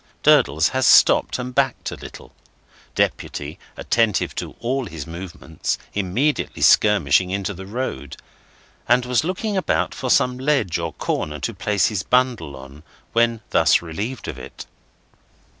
Durdles has stopped and backed a little (Deputy, attentive to all his movements, immediately skirmishing into the road), and was looking about for some ledge or corner to place his bundle on, when thus relieved of it.